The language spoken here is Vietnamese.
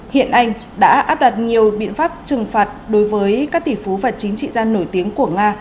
hiện anh đã áp đặt nhiều biện pháp trừng phạt đối với các tỷ phú và chính trị gia nổi tiếng của nga